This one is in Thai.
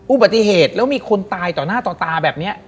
อุบัติเหตุแล้วมีคนตายต่อหน้าต่อตาแบบนี้